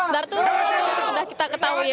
dan itu sudah kita ketahui ya